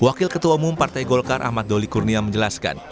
wakil ketua umum partai golkar ahmad doli kurnia menjelaskan